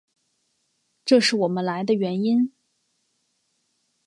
这是我们来的原因。